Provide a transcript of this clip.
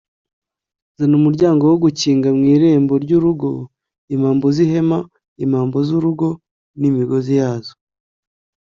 Zana Umuryango wo gukinga mu irembo ry’urugo imambo z’ihema imambo z’urugo n’imigozi yazo